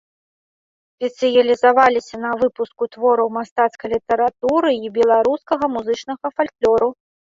Спецыялізавалася на выпуску твораў мастацкай літаратуры і беларускага музычнага фальклору.